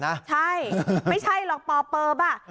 ใช่ไม่ใช่หรอกป่อเปิบอ่ะ